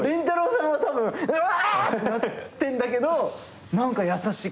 さんがたぶんうわー！！ってなってんだけど何か優しい。